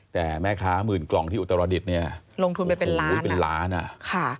แต่แม่ค้าหมื่นกล่องที่อุตรดิษฐ์เนี่ยลงทุนไปเป็นล้านอุ้ยเป็นล้านอ่ะค่ะ